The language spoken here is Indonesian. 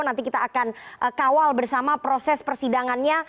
nanti kita akan kawal bersama proses persidangannya